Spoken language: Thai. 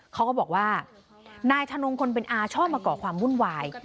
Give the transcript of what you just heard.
เขาก็บอกว่านายทนงคนเป็นอาชอบมาก่อความวุ่นวาย